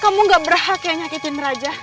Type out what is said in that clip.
kamu gak berhak yang nyakitin raja